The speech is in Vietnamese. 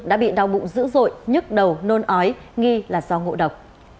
đã bị đau bụng dữ dội nhức đầu nôn ói nghi là do ngộ độc